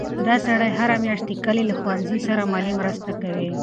دا سړی هره میاشت د کلي له ښوونځي سره مالي مرسته کوي.